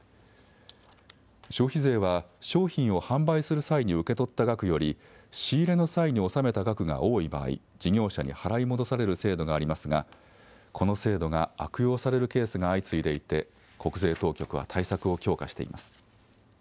消費税は、商品を販売する際に受け取った額より、仕入れの際に納めた額が多い場合、事業者に払い戻される制度がありますが、この制度が悪用されるケースが相次いでいて、国税当局は対策を強化しています。